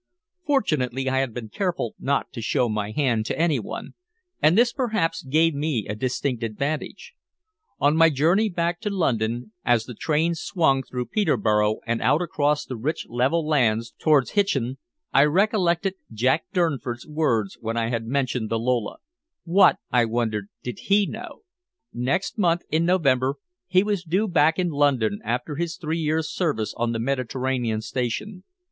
Fortunately I had been careful not to show my hand to anyone, and this perhaps gave me a distinct advantage. On my journey back to London, as the train swung through Peterborough and out across the rich level lands towards Hitchin, I recollected Jack Durnford's words when I had mentioned the Lola. What, I wondered, did he know? Next month, in November, he was due back in London after his three years' service on the Mediterranean station.